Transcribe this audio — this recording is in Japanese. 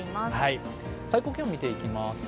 最高気温を見ていきます。